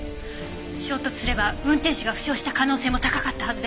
衝突すれば運転手が負傷した可能性も高かったはずです。